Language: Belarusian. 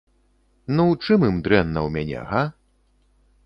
Ну, чым ім дрэнна ў мяне, га?